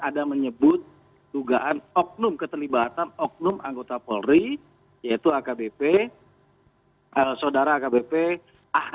ada menyebut dugaan oknum keterlibatan oknum anggota polri yaitu akbp saudara akbp ah